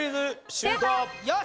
シュート！